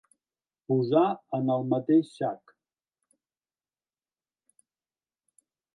Posar en el mateix sac.